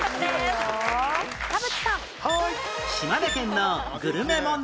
島根県のグルメ問題